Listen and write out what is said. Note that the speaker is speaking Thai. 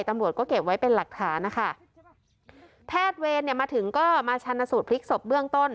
ตำรวจก็เก็บไว้เป็นหลักฐานนะคะแพทย์เวรเนี่ยมาถึงก็มาชันสูตรพลิกศพเบื้องต้น